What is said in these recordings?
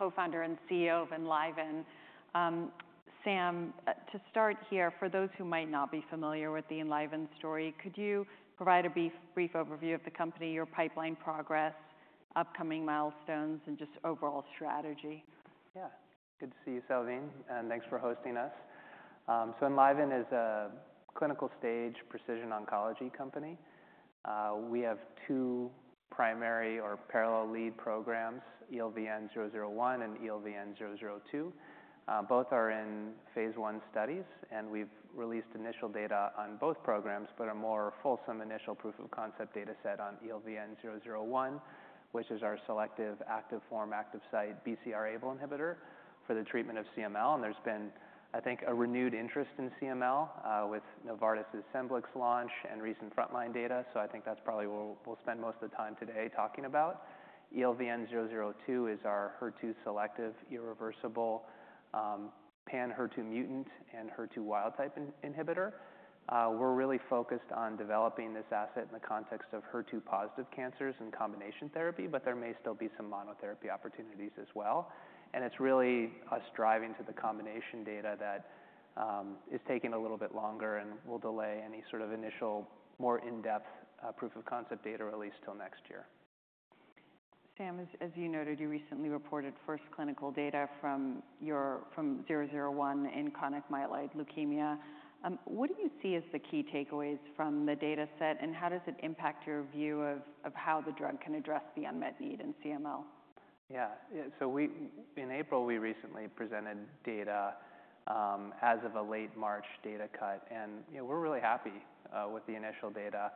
Co-founder and CEO of Enliven. Sam, to start here, for those who might not be familiar with the Enliven story, could you provide a brief, brief overview of the company, your pipeline progress, upcoming milestones, and just overall strategy? Yeah. Good to see you, Salveen, and thanks for hosting us. So Enliven is a clinical stage precision oncology company. We have two primary or parallel lead programs, ELVN-001 and ELVN-002. Both are in phase 1 studies, and we've released initial data on both programs, but a more fulsome initial proof of concept data set on ELVN-001, which is our selective, active form, active site, BCR-ABL inhibitor for the treatment of CML. And there's been, I think, a renewed interest in CML, with Novartis' Scemblix launch and recent frontline data. So I think that's probably what we'll, we'll spend most of the time today talking about. ELVN-002 is our HER2 selective, irreversible, pan-HER2 mutant and HER2 wild type in- inhibitor.bWe're really focused on developing this asset in the context of HER2-positive cancers and combination therapy, but there may still be some monotherapy opportunities as well. It's really us driving to the combination data that is taking a little bit longer and will delay any sort of initial, more in-depth, proof of concept data release till next year. Sam, as you noted, you recently reported first clinical data from zero zero one in chronic myeloid leukemia. What do you see as the key takeaways from the data set, and how does it impact your view of how the drug can address the unmet need in CML? Yeah. Yeah, so in April, we recently presented data, as of a late March data cut, and, you know, we're really happy with the initial data.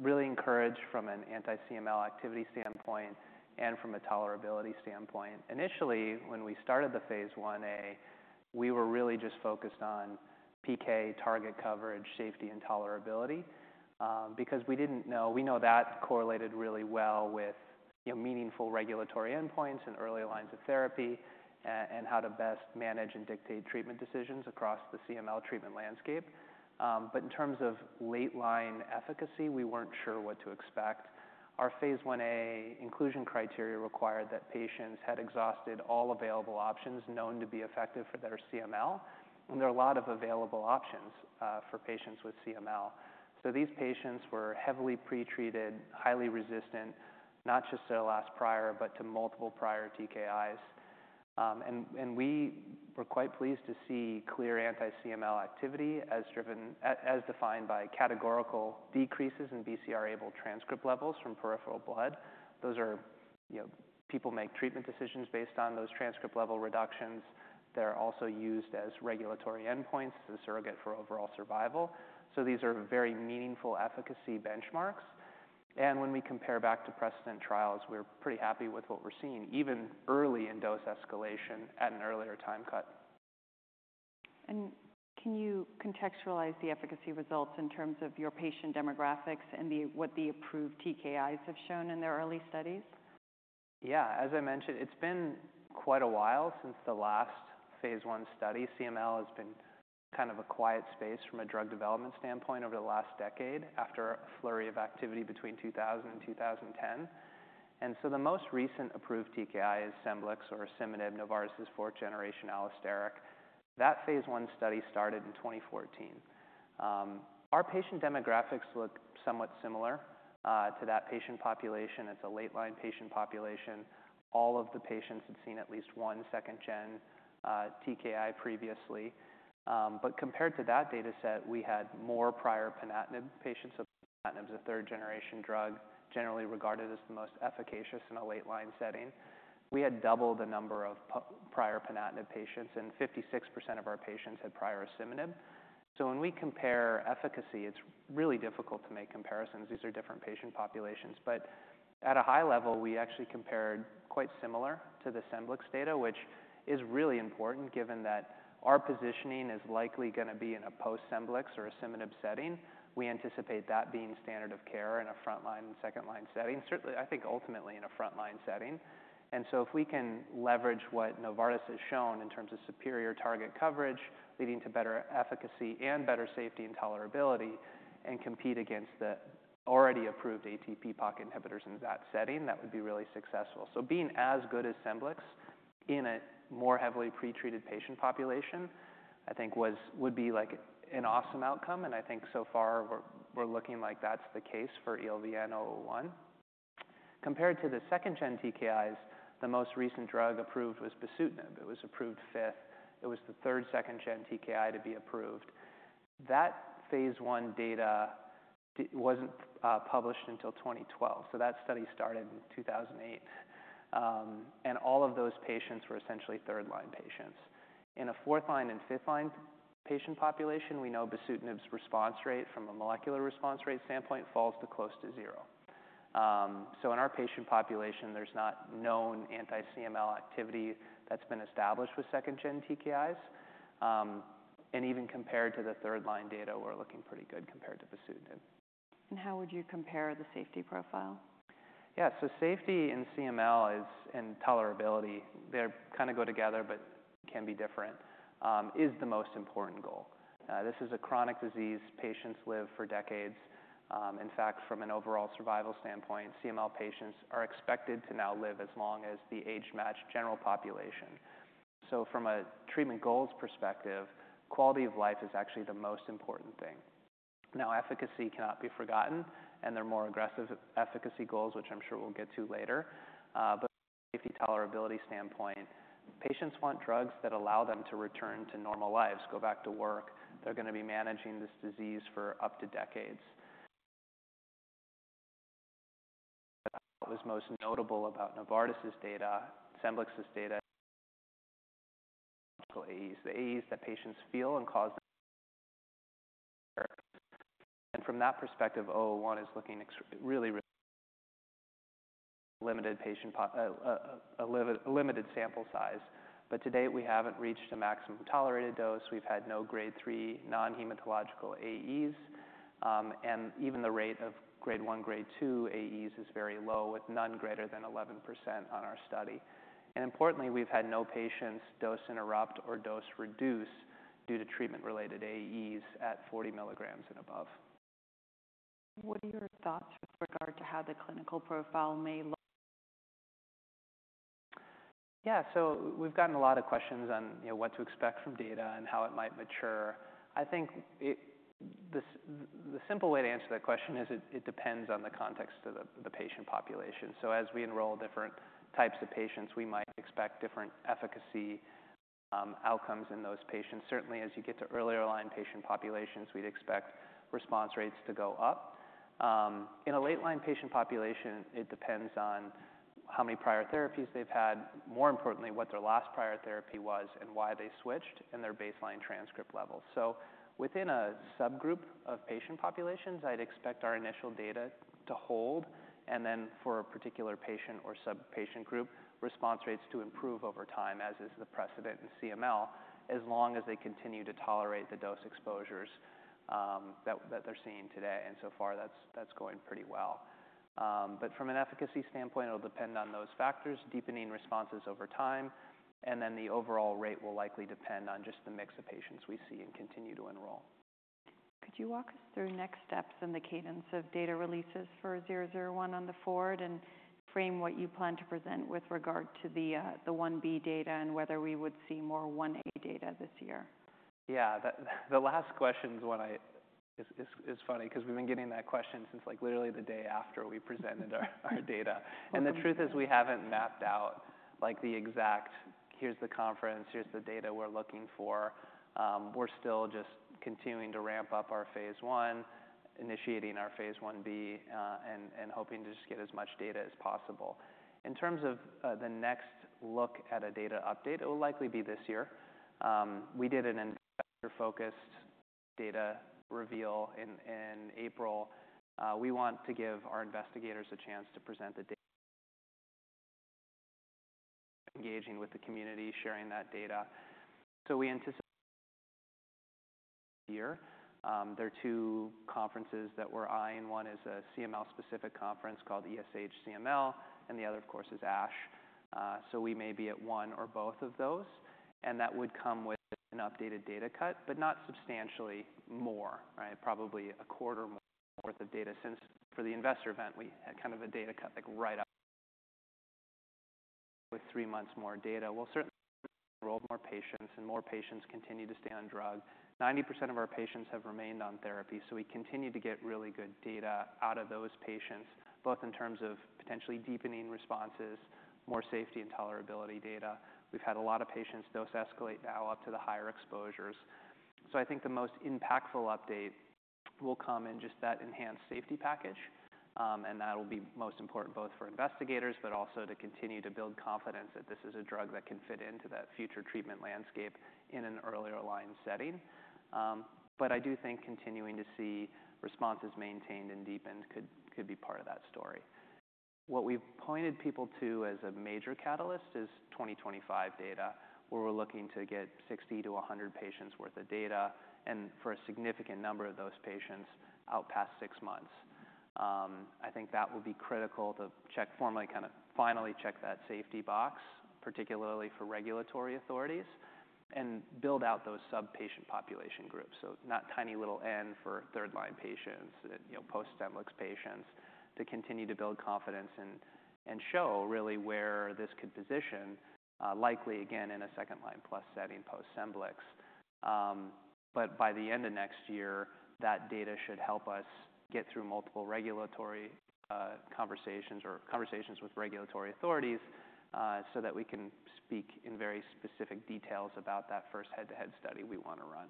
Really encouraged from an anti-CML activity standpoint and from a tolerability standpoint. Initially, when we started the phase 1A, we were really just focused on PK, target coverage, safety, and tolerability, because we didn't know. We know that correlated really well with, you know, meaningful regulatory endpoints and early lines of therapy, and how to best manage and dictate treatment decisions across the CML treatment landscape. But in terms of late line efficacy, we weren't sure what to expect. Our phase 1A inclusion criteria required that patients had exhausted all available options known to be effective for their CML, and there are a lot of available options for patients with CML. So these patients were heavily pretreated, highly resistant, not just to the last prior, but to multiple prior TKIs. And we were quite pleased to see clear anti-CML activity as defined by categorical decreases in BCR-ABL transcript levels from peripheral blood. Those are... You know, people make treatment decisions based on those transcript level reductions. They're also used as regulatory endpoints as a surrogate for overall survival. So these are very meaningful efficacy benchmarks, and when we compare back to precedent trials, we're pretty happy with what we're seeing, even early in dose escalation at an earlier time cut. Can you contextualize the efficacy results in terms of your patient demographics and the—what the approved TKIs have shown in their early studies? Yeah. As I mentioned, it's been quite a while since the last phase one study. CML has been kind of a quiet space from a drug development standpoint over the last decade, after a flurry of activity between 2000 and 2010. So the most recent approved TKI is Scemblix or asciminib, Novartis' fourth-generation allosteric. That phase one study started in 2014. Our patient demographics look somewhat similar to that patient population. It's a late-line patient population. All of the patients had seen at least one second gen TKI previously. But compared to that data set, we had more prior ponatinib patients. So ponatinib is a third-generation drug, generally regarded as the most efficacious in a late-line setting. We had double the number of prior ponatinib patients, and 56% of our patients had prior asciminib. So when we compare efficacy, it's really difficult to make comparisons. These are different patient populations. But at a high level, we actually compared quite similar to the Scemblix data, which is really important given that our positioning is likely gonna be in a post-Scemblix or asciminib setting. We anticipate that being standard of care in a frontline and second-line setting, certainly, I think, ultimately in a frontline setting. And so if we can leverage what Novartis has shown in terms of superior target coverage, leading to better efficacy and better safety and tolerability, and compete against the already approved ATP pocket inhibitors in that setting, that would be really successful. So being as good as Scemblix in a more heavily pretreated patient population, I think would be, like, an awesome outcome, and I think so far we're looking like that's the case for ELVN-001. Compared to the second gen TKIs, the most recent drug approved was bosutinib. It was approved fifth. It was the third second gen TKI to be approved. That phase one data wasn't published until 2012, so that study started in 2008. And all of those patients were essentially third-line patients. In a fourth-line and fifth-line patient population, we know bosutinib's response rate from a molecular response rate standpoint falls to close to zero. So in our patient population, there's not known anti-CML activity that's been established with second gen TKIs. And even compared to the third-line data, we're looking pretty good compared to bosutinib. How would you compare the safety profile? Yeah, so safety in CML is, and tolerability they kind of go together, but can be different, is the most important goal. This is a chronic disease, patients live for decades. In fact, from an overall survival standpoint, CML patients are expected to now live as long as the age-matched general population. So from a treatment goals perspective, quality of life is actually the most important thing. Now, efficacy cannot be forgotten, and there are more aggressive efficacy goals, which I'm sure we'll get to later. But safety tolerability standpoint, patients want drugs that allow them to return to normal lives, go back to work. They're gonna be managing this disease for up to decades. What was most notable about Novartis' data, Scemblix data, AEs. The AEs that patients feel and cause. And from that perspective, 001 is looking excellent. Really limited patient population, a limited sample size. But to date, we haven't reached a maximum tolerated dose. We've had no grade 3 non-hematological AEs, and even the rate of grade 1, grade 2 AEs is very low, with none greater than 11% on our study. And importantly, we've had no patients dose interrupt or dose reduce due to treatment-related AEs at 40 milligrams and above. What are your thoughts with regard to how the clinical profile may look? Yeah, so we've gotten a lot of questions on, you know, what to expect from data and how it might mature. I think the simple way to answer that question is it depends on the context of the patient population. So as we enroll different types of patients, we might expect different efficacy outcomes in those patients. Certainly, as you get to earlier line patient populations, we'd expect response rates to go up. In a late line patient population, it depends on how many prior therapies they've had, more importantly, what their last prior therapy was and why they switched, and their baseline transcript level. So within a subgroup of patient populations, I'd expect our initial data to hold, and then for a particular patient or sub-patient group, response rates to improve over time, as is the precedent in CML, as long as they continue to tolerate the dose exposures, that they're seeing today. And so far, that's going pretty well. But from an efficacy standpoint, it'll depend on those factors, deepening responses over time, and then the overall rate will likely depend on just the mix of patients we see and continue to enroll. Could you walk us through next steps in the cadence of data releases for 001 going forward and frame what you plan to present with regard to the 1B data and whether we would see more 1A data this year? Yeah, the last question is what is funny because we've been getting that question since, like, literally the day after we presented our data. And the truth is we haven't mapped out like the exact, "Here's the conference, here's the data we're looking for." We're still just continuing to ramp up our phase 1, initiating our phase 1b, and hoping to just get as much data as possible. In terms of the next look at a data update, it will likely be this year. We did an investor-focused data reveal in April. We want to give our investigators a chance to present the data. Engaging with the community, sharing that data. So we anticipate year. There are two conferences that we're eyeing. One is a CML-specific conference called ESH CML, and the other, of course, is ASH. So we may be at one or both of those, and that would come with an updated data cut, but not substantially more, right? Probably a quarter more worth of data, since for the investor event, we had kind of a data cut, like, right up with three months more data. We'll certainly enroll more patients, and more patients continue to stay on drug. 90% of our patients have remained on therapy, so we continue to get really good data out of those patients, both in terms of potentially deepening responses, more safety and tolerability data. We've had a lot of patients dose escalate now up to the higher exposures. So I think the most impactful update will come in just that enhanced safety package, and that will be most important both for investigators, but also to continue to build confidence that this is a drug that can fit into that future treatment landscape in an earlier line setting. But I do think continuing to see responses maintained and deepened could be part of that story. What we've pointed people to as a major catalyst is 2025 data, where we're looking to get 60-100 patients worth of data, and for a significant number of those patients, out past six months. I think that will be critical to check formally, kinda, finally check that safety box, particularly for regulatory authorities, and build out those sub-patient population groups. So not tiny little N for third-line patients, you know, post-Scemblix patients, to continue to build confidence and show really where this could position, likely again, in a second-line plus setting post-Scemblix. But by the end of next year, that data should help us get through multiple regulatory conversations or conversations with regulatory authorities, so that we can speak in very specific details about that first head-to-head study we wanna run.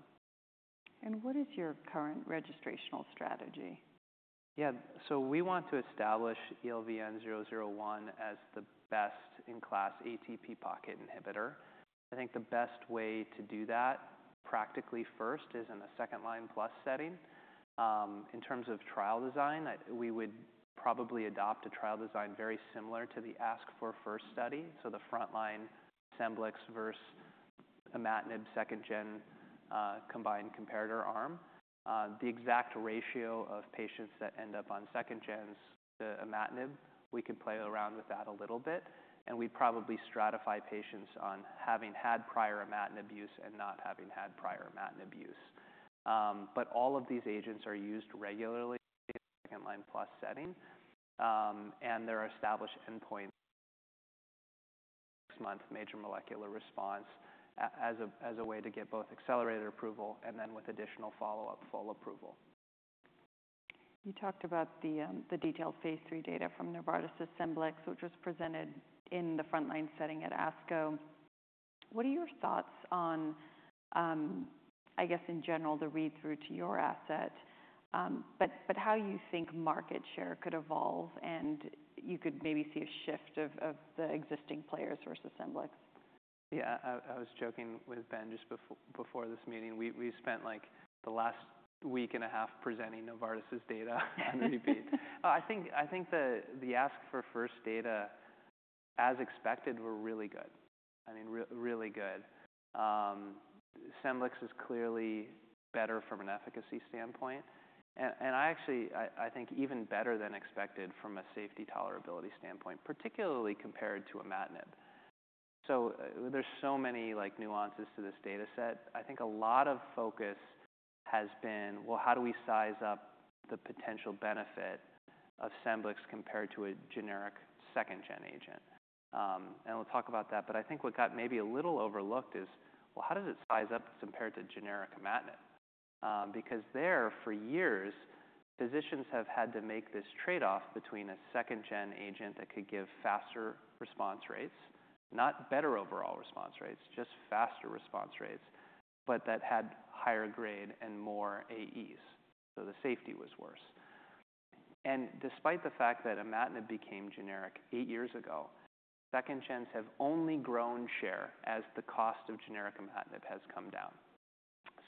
What is your current registrational strategy? Yeah. So we want to establish ELVN-001 as the best-in-class ATP pocket inhibitor. I think the best way to do that, practically first, is in a second-line plus setting. In terms of trial design, we would probably adopt a trial design very similar to the ASC4FIRST study. So the frontline Scemblix versus imatinib, second-gen, combined comparator arm. The exact ratio of patients that end up on second-gens to imatinib, we could play around with that a little bit, and we probably stratify patients on having had prior imatinib use and not having had prior imatinib use. But all of these agents are used regularly in second-line plus setting, and there are established endpoints, six-month major molecular response as a way to get both accelerated approval and then with additional follow-up, full approval. You talked about the, the detailed phase 3 data from Novartis's Scemblix, which was presented in the frontline setting at ASCO. What are your thoughts on, I guess, in general, the read-through to your asset, but, but how you think market share could evolve, and you could maybe see a shift of, of the existing players versus Scemblix? Yeah, I was joking with Ben just before this meeting. We've spent, like, the last week and a half presenting Novartis's data on repeat. I think the ASC4FIRST data, as expected, were really good. I mean, really good. Scemblix is clearly better from an efficacy standpoint, and I actually think even better than expected from a safety tolerability standpoint, particularly compared to imatinib. So, there's so many, like, nuances to this data set. I think a lot of focus has been, well, how do we size up the potential benefit of Scemblix compared to a generic second-gen agent? And we'll talk about that, but I think what got maybe a little overlooked is, well, how does it size up compared to generic imatinib? Because there, for years, physicians have had to make this trade-off between a second-gen agent that could give faster response rates, not better overall response rates, just faster response rates, but that had higher grade and more AEs, so the safety was worse. And despite the fact that imatinib became generic 8 years ago, second-gens have only grown share as the cost of generic imatinib has come down.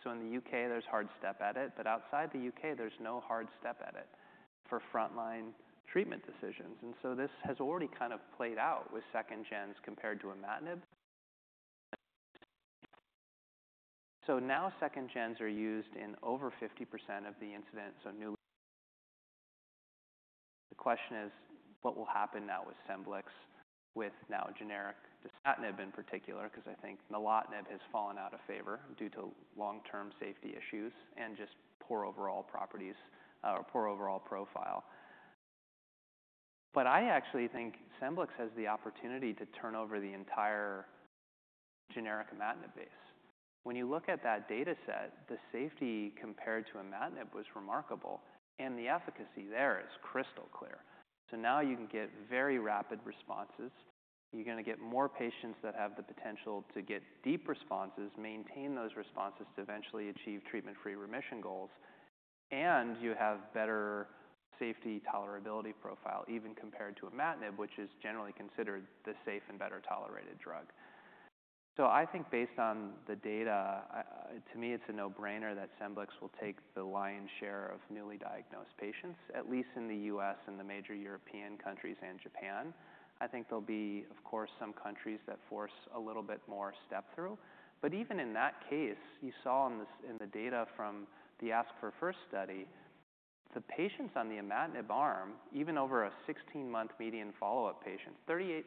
So in the U.K., there's hard step edit, but outside the U.K., there's no hard step edit for frontline treatment decisions. And so this has already kind of played out with second-gens compared to imatinib. So now second-gens are used in over 50% of the incidence on new. The question is: what will happen now with Scemblix, with now generic dasatinib in particular? Because I think nilotinib has fallen out of favor due to long-term safety issues and just poor overall properties, or poor overall profile. But I actually think Scemblix has the opportunity to turn over the entire generic imatinib base. When you look at that data set, the safety compared to imatinib was remarkable, and the efficacy there is crystal clear. So now you can get very rapid responses. You're gonna get more patients that have the potential to get deep responses, maintain those responses to eventually achieve treatment-free remission goals, and you have better safety tolerability profile, even compared to imatinib, which is generally considered the safe and better-tolerated drug. So I think based on the data, to me, it's a no-brainer that Scemblix will take the lion's share of newly diagnosed patients, at least in the U.S. and the major European countries and Japan. I think there'll be, of course, some countries that force a little bit more step-through. But even in that case, you saw in the data from the ASC4FIRST study, the patients on the imatinib arm, even over a 16-month median follow-up patient, 38,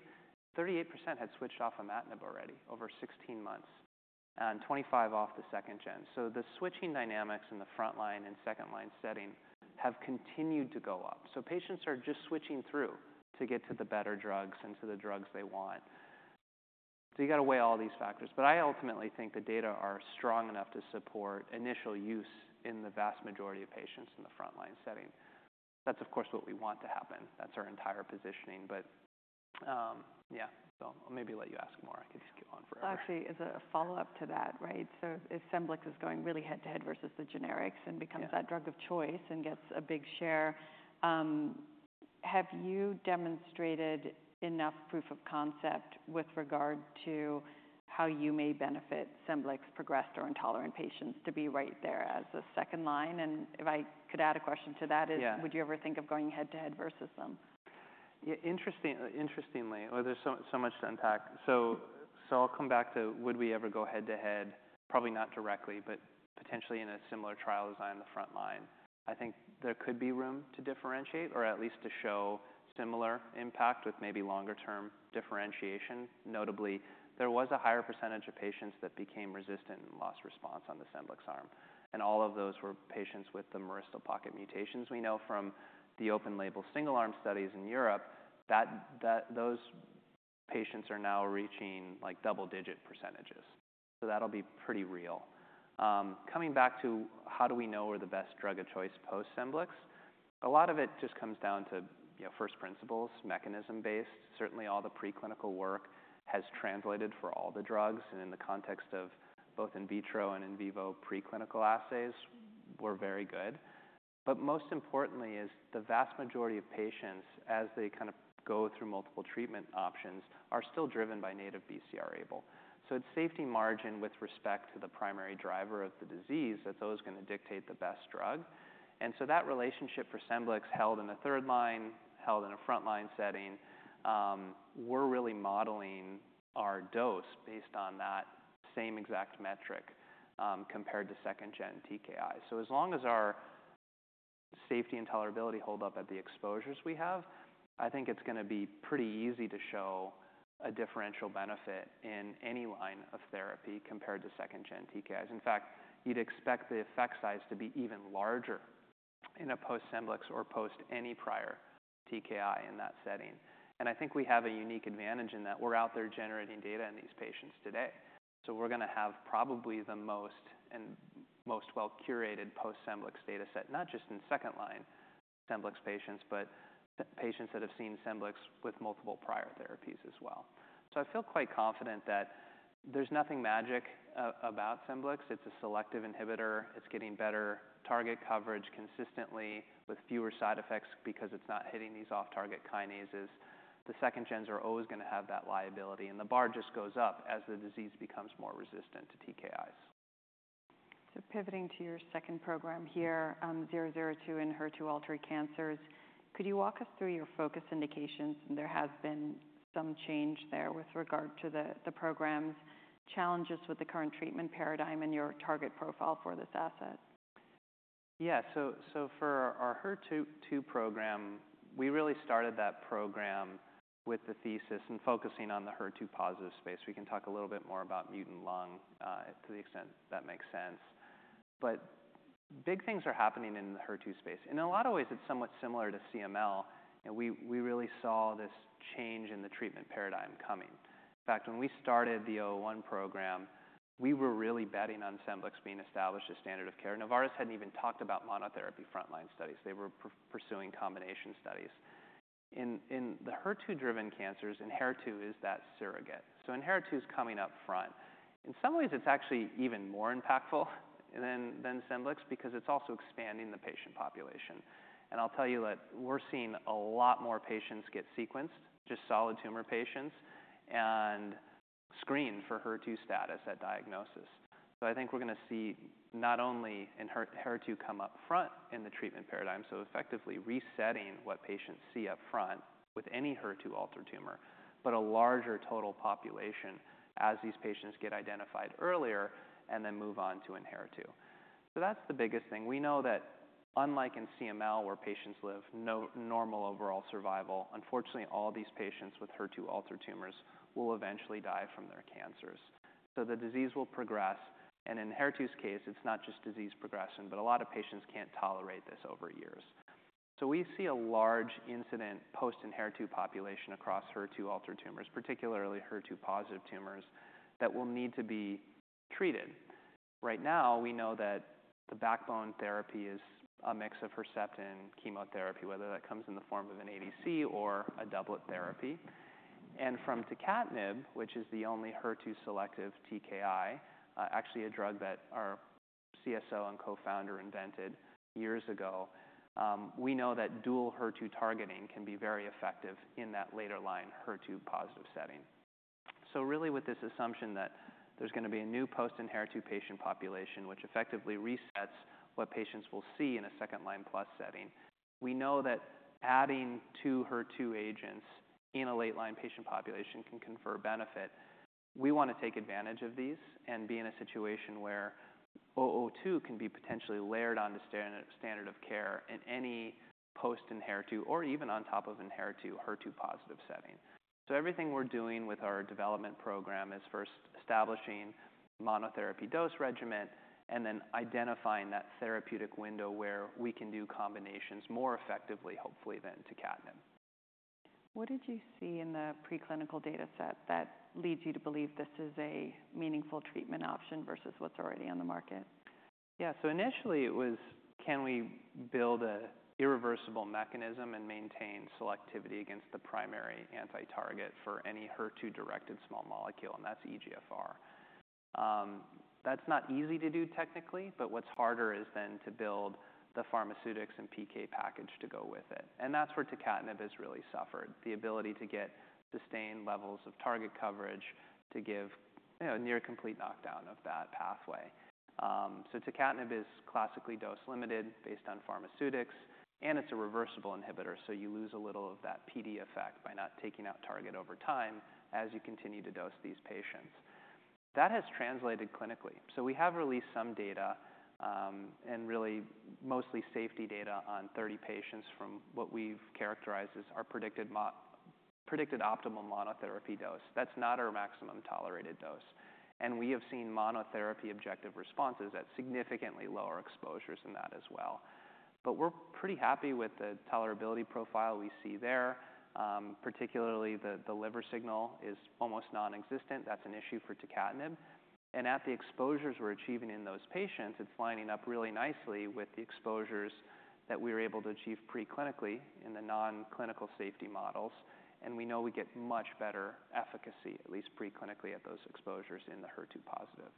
38% had switched off imatinib already over 16 months, and 25 off the second-gen. So the switching dynamics in the frontline and second-line setting have continued to go up. So patients are just switching through to get to the better drugs and to the drugs they want. So you gotta weigh all these factors, but I ultimately think the data are strong enough to support initial use in the vast majority of patients in the frontline setting. That's, of course, what we want to happen. That's our entire positioning, but, yeah, so I'll maybe let you ask more. I could just keep on forever. Well, actually, as a follow-up to that, right? So if Scemblix is going really head-to-head versus the generics- Yeah and becomes that drug of choice and gets a big share, have you demonstrated enough proof of concept with regard to how you may benefit Scemblix-progressed or intolerant patients to be right there as a second line? And if I could add a question to that is- Yeah would you ever think of going head-to-head versus them? Interestingly, there's so much to unpack. So I'll come back to, would we ever go head-to-head? Probably not directly, but potentially in a similar trial design in the front line. I think there could be room to differentiate or at least to show similar impact with maybe longer-term differentiation. Notably, there was a higher percentage of patients that became resistant and lost response on the Scemblix arm, and all of those were patients with the myristoyl pocket mutations. We know from the open label, single-arm studies in Europe that those patients are now reaching, like, double-digit percentages. So that'll be pretty real. Coming back to: how do we know we're the best drug of choice post-Scemblix? A lot of it just comes down to, you know, first principles, mechanism-based. Certainly, all the preclinical work has translated for all the drugs, and in the context of both in vitro and in vivo preclinical assays were very good. But most importantly is the vast majority of patients, as they kind of go through multiple treatment options, are still driven by native BCR-ABL. So it's safety margin with respect to the primary driver of the disease, that those are gonna dictate the best drug. And so that relationship for Scemblix held in a third line, held in a front-line setting, we're really modeling our dose based on that same exact metric, compared to second-gen TKI. So as long as our safety and tolerability hold up at the exposures we have, I think it's gonna be pretty easy to show a differential benefit in any line of therapy compared to second gen TKIs. In fact, you'd expect the effect size to be even larger in a post-Scemblix or post any prior TKI in that setting. And I think we have a unique advantage in that we're out there generating data in these patients today. So we're gonna have probably the most and most well-curated post-Scemblix data set, not just in second line Scemblix patients, but patients that have seen Scemblix with multiple prior therapies as well. So I feel quite confident that there's nothing magic about Scemblix. It's a selective inhibitor. It's getting better target coverage consistently with fewer side effects because it's not hitting these off-target kinases. The second gens are always gonna have that liability, and the bar just goes up as the disease becomes more resistant to TKIs. Pivoting to your second program here, 002 in HER2-altered cancers, could you walk us through your focus indications? There has been some change there with regard to the program's challenges with the current treatment paradigm and your target profile for this asset. Yeah. So for our HER2 program, we really started that program with the thesis and focusing on the HER2 positive space. We can talk a little bit more about mutant lung to the extent that makes sense. But big things are happening in the HER2 space. In a lot of ways, it's somewhat similar to CML, and we really saw this change in the treatment paradigm coming. In fact, when we started the 001 program, we were really betting on Scemblix being established as standard of care. Novartis hadn't even talked about monotherapy frontline studies. They were pursuing combination studies. In the HER2-driven cancers, Enhertu is that surrogate. So Enhertu is coming up front. In some ways, it's actually even more impactful than Scemblix because it's also expanding the patient population. I'll tell you that we're seeing a lot more patients get sequenced, just solid tumor patients, and screened for HER2 status at diagnosis. So I think we're gonna see not only HER2 come up front in the treatment paradigm, so effectively resetting what patients see up front with any HER2-altered tumor, but a larger total population as these patients get identified earlier and then move on to Enhertu. So that's the biggest thing. We know that unlike in CML, where patients have near normal overall survival, unfortunately, all these patients with HER2-altered tumors will eventually die from their cancers. So the disease will progress, and in Enhertu's case, it's not just disease progression, but a lot of patients can't tolerate this over years. So we see a large incident post-Enhertu population across HER2-altered tumors, particularly HER2 positive tumors, that will need to be treated. Right now, we know that the backbone therapy is a mix of Herceptin chemotherapy, whether that comes in the form of an ADC or a doublet therapy. And from tucatinib, which is the only HER2 selective TKI, actually a drug that our CSO and co-founder invented years ago, we know that dual HER2 targeting can be very effective in that later line, HER2 positive setting. So really, with this assumption that there's gonna be a new post-Enhertu patient population, which effectively resets what patients will see in a second-line plus setting, we know that adding two HER2 agents in a late-line patient population can confer benefit. We wanna take advantage of these and be in a situation where ELVN-002 can be potentially layered on the standard of care in any post-Enhertu or even on top of Enhertu, HER2 positive setting. Everything we're doing with our development program is first establishing monotherapy dose regimen, and then identifying that therapeutic window where we can do combinations more effectively, hopefully, than tucatinib. What did you see in the preclinical data set that leads you to believe this is a meaningful treatment option versus what's already on the market? Yeah. So initially, it was, "Can we build a irreversible mechanism and maintain selectivity against the primary anti-target for any HER2-directed small molecule?" And that's EGFR. That's not easy to do technically, but what's harder is then to build the pharmaceutics and PK package to go with it, and that's where tucatinib has really suffered, the ability to get sustained levels of target coverage to give, you know, near complete knockdown of that pathway. So tucatinib is classically dose-limited based on pharmaceutics, and it's a reversible inhibitor, so you lose a little of that PD effect by not taking out target over time as you continue to dose these patients. That has translated clinically. So we have released some data, and really mostly safety data on 30 patients from what we've characterized as our predicted optimal monotherapy dose. That's not our maximum tolerated dose. We have seen monotherapy objective responses at significantly lower exposures than that as well. But we're pretty happy with the tolerability profile we see there, particularly the liver signal is almost non-existent. That's an issue for tucatinib. And at the exposures we're achieving in those patients, it's lining up really nicely with the exposures that we were able to achieve preclinically in the non-clinical safety models, and we know we get much better efficacy, at least preclinically, at those exposures in the HER2-positive.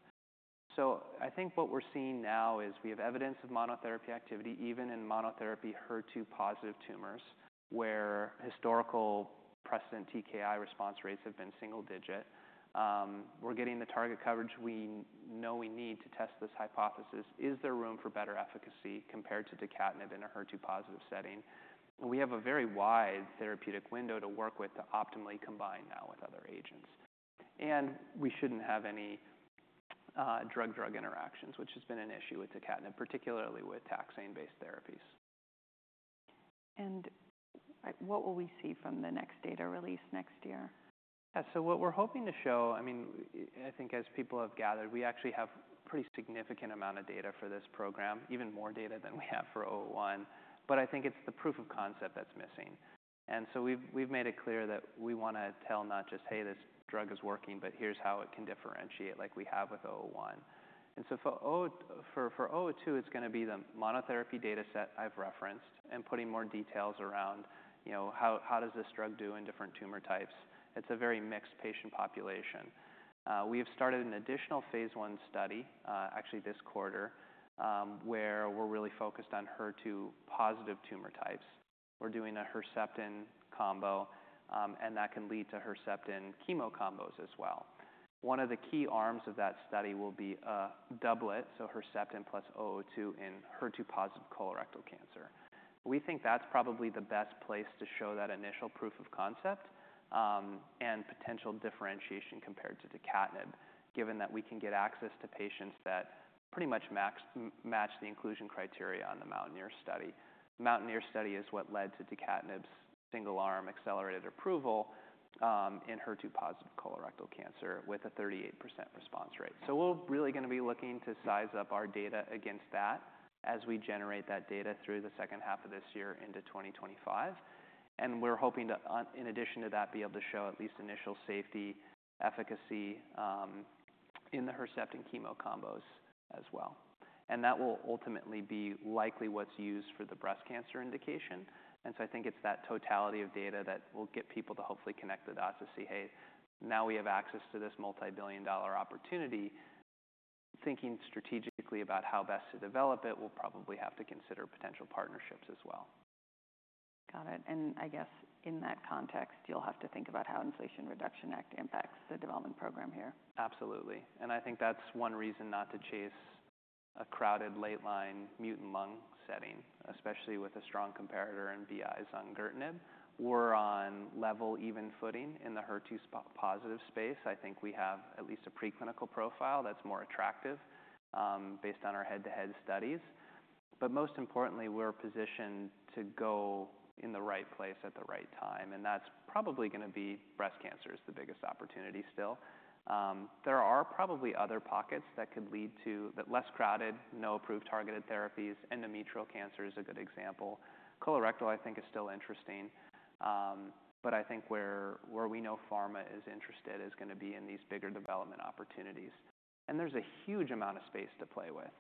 So I think what we're seeing now is we have evidence of monotherapy activity, even in monotherapy HER2-positive tumors, where historical precedent TKI response rates have been single-digit. We're getting the target coverage we know we need to test this hypothesis. Is there room for better efficacy compared to tucatinib in a HER2-positive setting? We have a very wide therapeutic window to work with to optimally combine now with other agents. And we shouldn't have any drug-drug interactions, which has been an issue with docetaxel, particularly with taxane-based therapies. What will we see from the next data release next year? Yeah, so what we're hoping to show, I mean, I think as people have gathered, we actually have pretty significant amount of data for this program, even more data than we have for 001, but I think it's the proof of concept that's missing. And so we've made it clear that we wanna tell not just, "Hey, this drug is working," but here's how it can differentiate like we have with 001. And so for 002, it's gonna be the monotherapy data set I've referenced and putting more details around, you know, how does this drug do in different tumor types? It's a very mixed patient population. We have started an additional phase I study, actually this quarter, where we're really focused on HER2-positive tumor types. We're doing a Herceptin combo, and that can lead to Herceptin chemo combos as well. One of the key arms of that study will be a doublet, so Herceptin plus ELVN-002 in HER2-positive colorectal cancer. We think that's probably the best place to show that initial proof of concept, and potential differentiation compared to tucatinib, given that we can get access to patients that pretty much match the inclusion criteria on the MOUNTAINEER study. MOUNTAINEER study is what led to tucatinib's single-arm accelerated approval, in HER2-positive colorectal cancer with a 38% response rate. So we're really gonna be looking to size up our data against that as we generate that data through the second half of this year into 2025. And we're hoping to in addition to that, be able to show at least initial safety, efficacy, in the Herceptin chemo combos as well. And that will ultimately be likely what's used for the breast cancer indication. And so I think it's that totality of data that will get people to hopefully connect the dots to see, "Hey, now we have access to this multi-billion-dollar opportunity." Thinking strategically about how best to develop it, we'll probably have to consider potential partnerships as well. Got it. I guess in that context, you'll have to think about how Inflation Reduction Act impacts the development program here. Absolutely. And I think that's one reason not to chase a crowded late-line mutant lung setting, especially with a strong comparator and bias on neratinib. We're on level even footing in the HER2-positive space. I think we have at least a preclinical profile that's more attractive, based on our head-to-head studies. But most importantly, we're positioned to go in the right place at the right time, and that's probably gonna be breast cancer, is the biggest opportunity still. There are probably other pockets that could lead to, but less crowded, no approved targeted therapies, endometrial cancer is a good example. Colorectal, I think, is still interesting, but I think where we know pharma is interested is gonna be in these bigger development opportunities, and there's a huge amount of space to play with.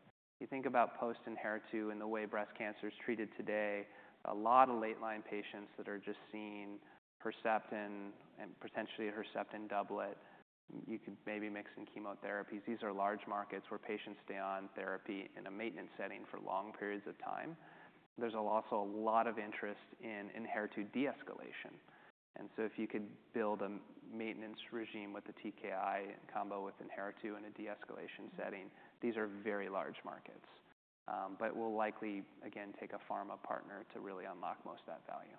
You think about positive HER2 and the way breast cancer is treated today, a lot of late-line patients that are just seeing Herceptin and potentially a Herceptin doublet, you could maybe mix in chemotherapies. These are large markets where patients stay on therapy in a maintenance setting for long periods of time. There's also a lot of interest in HER2 de-escalation, and so if you could build a maintenance regimen with a TKI in combo with Herceptin in a de-escalation setting, these are very large markets. But we'll likely, again, take a pharma partner to really unlock most of that value.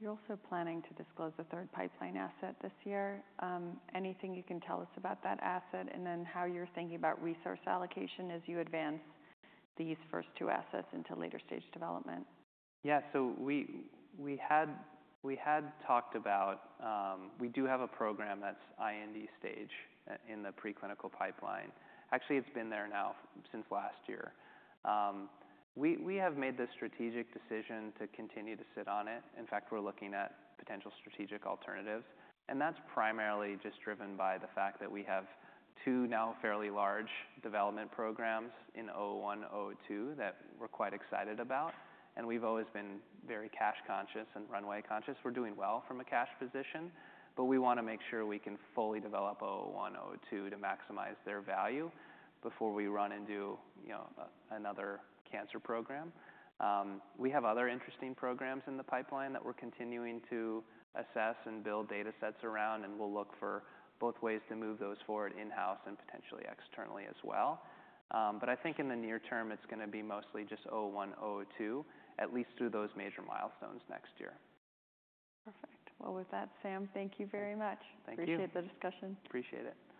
You're also planning to disclose a third pipeline asset this year. Anything you can tell us about that asset, and then how you're thinking about resource allocation as you advance these first two assets into later-stage development? Yeah. So we had talked about. We do have a program that's IND stage in the preclinical pipeline. Actually, it's been there now since last year. We have made the strategic decision to continue to sit on it. In fact, we're looking at potential strategic alternatives, and that's primarily just driven by the fact that we have two now fairly large development programs in ELVN-001, ELVN-002, that we're quite excited about, and we've always been very cash conscious and runway conscious. We're doing well from a cash position, but we wanna make sure we can fully develop ELVN-001, ELVN-002 to maximize their value before we run and do, you know, another cancer program. We have other interesting programs in the pipeline that we're continuing to assess and build data sets around, and we'll look for both ways to move those forward in-house and potentially externally as well. But I think in the near term, it's gonna be mostly just ELVN-001, ELVN-002, at least through those major milestones next year. Perfect. Well, with that, Sam, thank you very much. Thank you. Appreciate the discussion. Appreciate it.